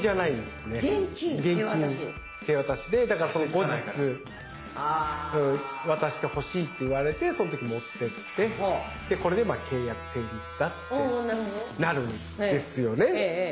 後日渡してほしいって言われてその時に持ってってこれで契約成立だってなるんですよね。